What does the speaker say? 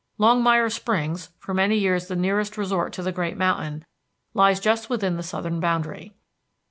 Longmire Springs, for many years the nearest resort to the great mountain, lies just within the southern boundary.